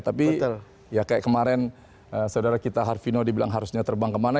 tapi ya kayak kemarin saudara kita harvino dibilang harusnya terbang kemana